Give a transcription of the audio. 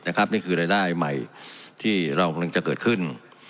นี่คือรายได้ใหม่ที่เรากำลังจะเกิดขึ้น